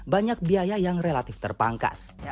banyak biaya yang relatif terpangkas